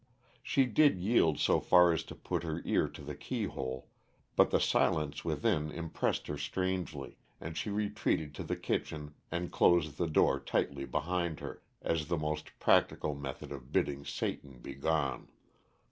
She did yield so far as to put her ear to the keyhole, but the silence within impressed her strangely, and she retreated to the kitchen and closed the door tightly behind her as the most practical method of bidding Satan begone.